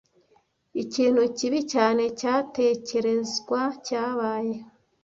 Ikintu kibi cyane cyatekerezwa cyabaye.